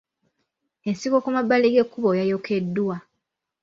Ensiko ku mabbali g'ekkubo yayokeddwa.